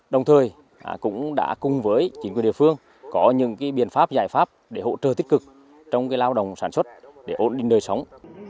đồng thời cũng đã cùng với chính quyền địa phương có những biện pháp giải pháp để hỗ trợ tích cực trong lao động sản xuất để ổn định đời sống